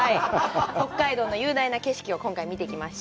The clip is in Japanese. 北海道の雄大な景色を今回、見てきました。